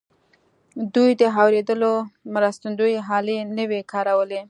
دوی د اورېدو مرستندويي الې نه وې کارولې.